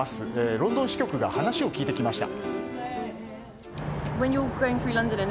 ロンドン支局が話を聞いてきました。